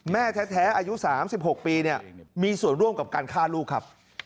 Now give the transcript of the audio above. แม่แท้อายุ๓๖ปีมีส่วนร่วมกับการฆ่าลูกครับ